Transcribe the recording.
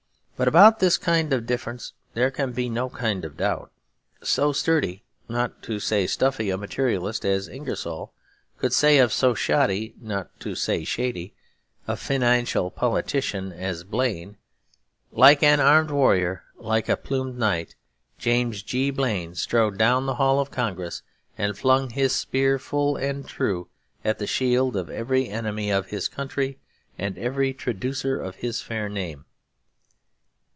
But about this kind of difference there can be no kind of doubt. So sturdy not to say stuffy a materialist as Ingersoll could say of so shoddy not to say shady a financial politician as Blaine, 'Like an arméd warrior, like a pluméd knight, James G. Blaine strode down the hall of Congress, and flung his spear full and true at the shield of every enemy of his country and every traducer of his fair name.'